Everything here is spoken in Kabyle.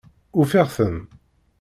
Ufiɣ-ten!